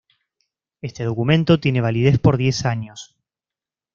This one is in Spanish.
Este documento tiene validez por diez años.